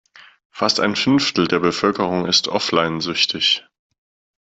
Fast ein Fünftel der Bevölkerung ist offline-süchtig.